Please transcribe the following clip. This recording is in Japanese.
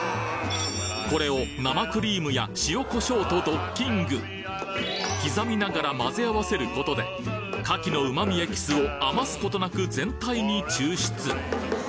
これを生クリームや塩コショウとドッキング刻みながら混ぜ合わせることで牡蠣の旨味エキスを余すことなく全体に抽出